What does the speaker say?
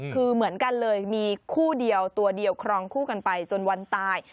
คือเหมือนกันเลยมีคู่เดียวตัวเดียวครองคู่กันไปจนวันตาย